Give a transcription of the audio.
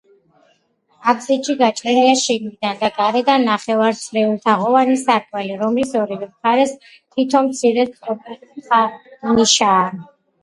აფსიდში გაჭრილია შიგნიდან და გარედან ნახევარწრიულთაღოვანი სარკმელი, რომლის ორივე მხარეს თითო მცირე, სწორკუთხა ნიშაა.